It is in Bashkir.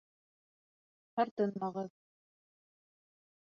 Тартынмағыҙ.